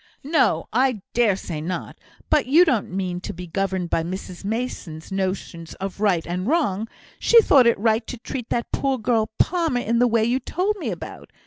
"No, I dare say not. But you don't mean to be governed by Mrs Mason's notions of right and wrong. She thought it right to treat that poor girl Palmer in the way you told me about.